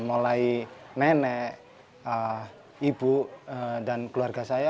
mulai nenek ibu dan keluarga saya